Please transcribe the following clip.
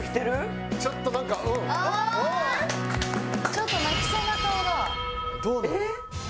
ちょっと泣きそうな顔だ。